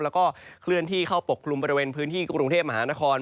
แล้วก็เคลื่อนที่เข้าปกกลุ่มบริเวณพื้นที่กรุงเทพมหานคร